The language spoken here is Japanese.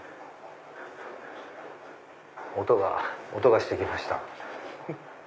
音がして来ました。